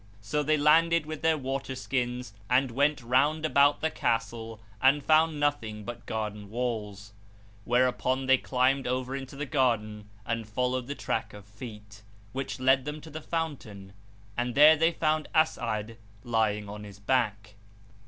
So they landed with their water skins and went round about the castle, and found nothing but garden walls: whereupon they climbed over into the garden and followed the track of feet, which led them to the fountain; and there they found As'ad lying on his back.